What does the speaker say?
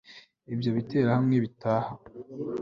ibyo biterahamwe bitaha